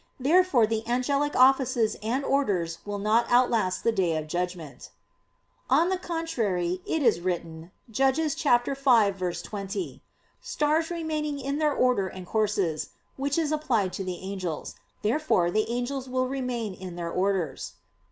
Therefore the angelic offices and orders will not outlast the Day of Judgment. On the contrary, It is written (Judges 5:20): "Stars remaining in their order and courses," which is applied to the angels. Therefore the angels will ever remain in their orders.